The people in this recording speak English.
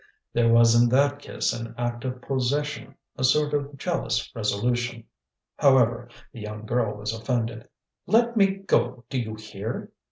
There was in that kiss an act of possession, a sort of jealous resolution. However, the young girl was offended. "Let me go, do you hear?"